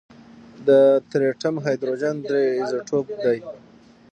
د ټریټیم هایدروجن درې ایزوټوپ دی.